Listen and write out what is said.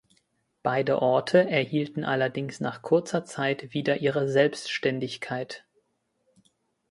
Beide Orte erhielten allerdings nach kurzer Zeit wieder ihre Selbstständigkeit.